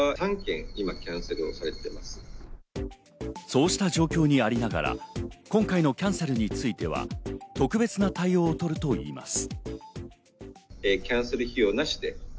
そうした状況にありながら、今回のキャンセルについては特別な対応を取るといいます。